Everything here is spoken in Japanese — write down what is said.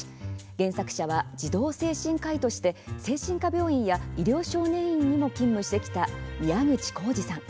原作者は児童精神科医として精神科病院や医療少年院にも勤務してきた宮口幸治さん。